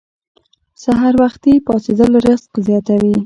سحر وختي پاڅیدل رزق زیاتوي.